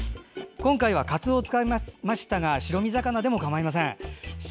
今回はかつおを使いましたが白身魚でも結構です。